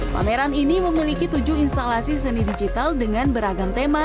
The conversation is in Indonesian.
pameran ini memiliki tujuh instalasi seni digital dengan beragam tema